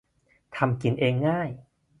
ทำกินเองง่าย